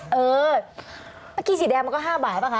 เมื่อกี้สีแดงมันก็๕บาทป่ะค